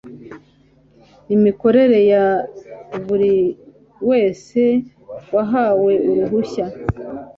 imikorere ya buri wese wahawe uruhushya